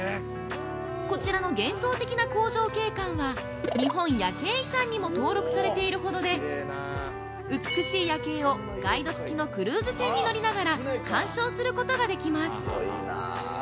こちらの幻想的な工場景観は日本夜景遺産にも登録されているほどで美しい夜景をガイド付きのクルーズ船に乗りながら観賞することができます。